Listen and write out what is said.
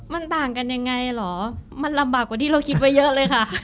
มันต่างกันยังไงเหรอมันลำบากกว่าที่เราคิดไว้เยอะเลยค่ะ